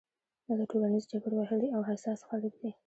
دا د ټولنیز جبر وهلي او حساس خلک دي.